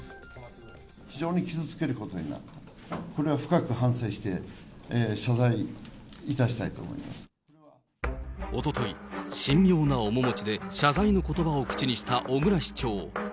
非常に傷つけることになった、これは深く反省して、謝罪いたしおととい、神妙な面持ちで謝罪のことばを口にした小椋市長。